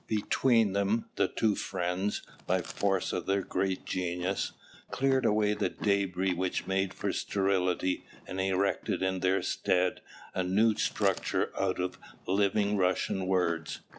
Between them the two friends, by force of their great genius, cleared away the debris which made for sterility and erected in their stead a new structure out of living Russian words.